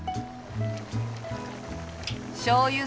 しょうゆ